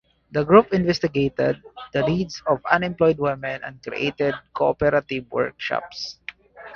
The group investigated the needs of unemployed women and created cooperative workshops.